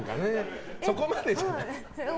そこまでじゃないと。